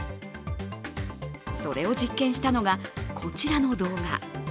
それを実験したのがこちらの動画。